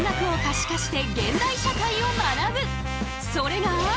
それが。